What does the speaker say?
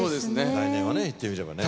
来年はね言ってみればね。